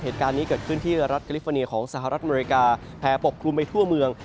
เหตุการณ์นี้เกิดขึ้นที่รัฐกิลิฟอร์เนียของสหรัฐอเมริกาแผ่ปกคลุมไปทั่วเมือง